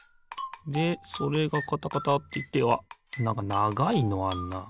でそれがカタカタっていってあっなんかながいのあんな。